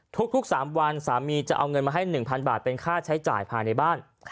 ทุก๓วันสามีจะเอาเงินมาให้๑๐๐บาทเป็นค่าใช้จ่ายภายในบ้าน